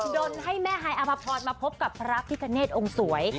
นนให้แม่ฮายอภพรมาพบกับพระพิคเนธองค์สวย